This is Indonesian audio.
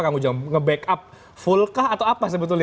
kamu nge backup full kah atau apa sebetulnya